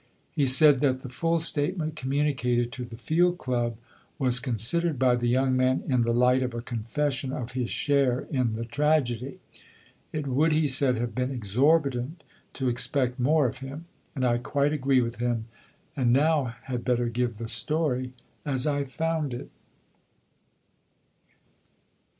He said that the full statement communicated to the Field Club was considered by the young man in the light of a confession of his share in the tragedy. It would, he said, have been exorbitant to expect more of him. And I quite agree with him; and now had better give the story as I found it.